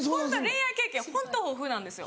恋愛経験ホント豊富なんですよ。